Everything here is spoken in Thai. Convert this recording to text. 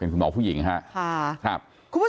คุณหมอผู้หญิงครับ